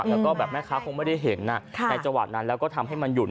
แล้วก็แบบแม่ค้าคงไม่ได้เห็นในจังหวะนั้นแล้วก็ทำให้มันหยุด